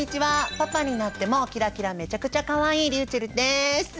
パパになってもキラキラめちゃくちゃかわいいりゅうちぇるです。